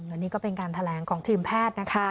อันนี้ก็เป็นการแถลงของทีมแพทย์นะคะ